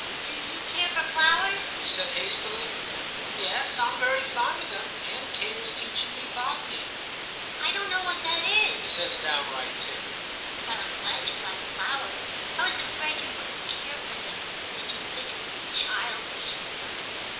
' Do you care for flowers ?' he said hastily. * Yes, Tm very fond of them ; Aunt Kate is teaching me botany.' * I don't know what that is,' says down right Tim, 'but I'm glad you like flowers. I was afraid you wouldn't care for them ; that you'd think it was childish or something.'